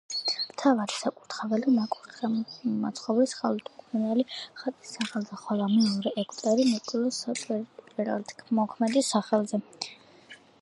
მთავარი საკურთხეველი ნაკურთხია მაცხოვრის ხელთუქმნელი ხატის სახელზე, ხოლო მეორე ეგვტერი ნიკოლოზ საკვირველთმოქმედის სახელზე.